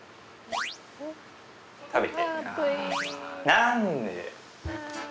何で！？